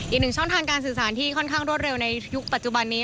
อีกหนึ่งช่องทางการสื่อสารที่ค่อนข้างรวดเร็วในยุคปัจจุบันนี้